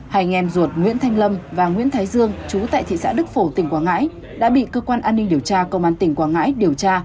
hai anh em ruột nguyễn thanh lâm và nguyễn thái dương chú tại thị xã đức phổ tỉnh quảng ngãi đã bị cơ quan an ninh điều tra công an tỉnh quảng ngãi điều tra